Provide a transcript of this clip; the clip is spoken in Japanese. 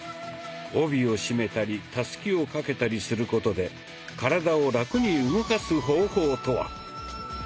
帯を締めたりたすきを掛けたりすることで体をラクに動かす方法とは！